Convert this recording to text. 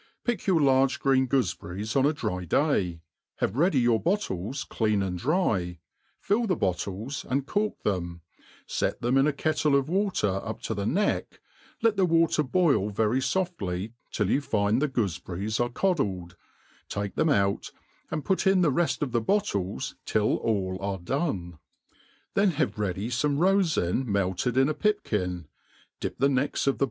PICK your large green goofeberries on a dry day, have ready your bottles clean and dfy, fill the bottles, and cork them, fee ' them in a kettle of water up to the neck, let the water boil very foftly till you find the goofeberries are coddled, take tbem out, and put in the reft of the bdttles till all are done ; then have ready fome #ofin melted in a pipkin, dip the necks of the?